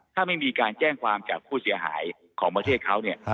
ถ้าไม่มีการแจ้งความจากผู้เสียหายของประเทศเขาเนี่ย